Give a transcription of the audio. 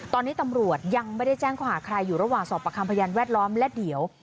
ตอนนี้ตำรวจยังไม่ได้แจ้งข้อหาใครอยู่ระหว่างสอบประคำพยานแวดล้อมและเดี๋ยว